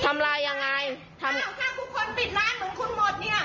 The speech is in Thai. ถ้าทุกคนปิดร้านเหมือนคุณหมด